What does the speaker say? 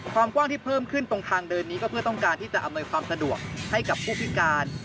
ความกว้างที่เพิ่มขึ้นตรงทางเดินนี้ก็เพื่อต้องการที่จะอำนวยความสะดวกให้กับผู้พิการ